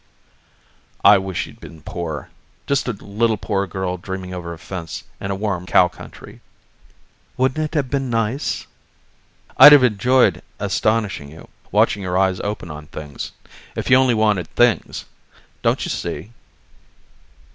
"I wish you'd been poor. Just a little poor girl dreaming over a fence in a warm cow country." "Wouldn't it have been nice?" "I'd have enjoyed astonishing you watching your eyes open on things. If you only wanted things! Don't you see?"